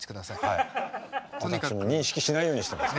私認識しないようにしてます。